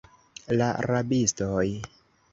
La rabistoj.